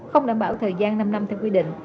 không đảm bảo thời gian năm năm theo quy định